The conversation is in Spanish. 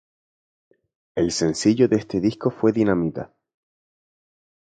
El sencillo de ese disco fue "Dinamita".